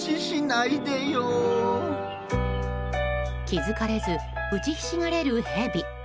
気付かれず打ちひしがれるヘビ。